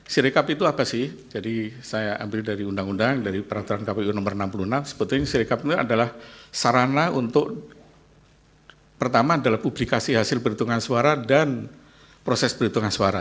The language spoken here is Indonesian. sirekap itu apa sih jadi saya ambil dari undang undang dari peraturan kpu nomor enam puluh enam sebetulnya sirekap itu adalah sarana untuk pertama adalah publikasi hasil perhitungan suara dan proses perhitungan suara